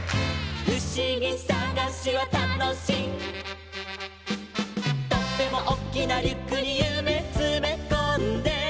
「ふしぎさがしはたのしい」「とってもおっきなリュックにゆめつめこんで」